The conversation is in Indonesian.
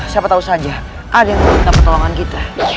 siapa tau saja ada yang mau dapat tolongan kita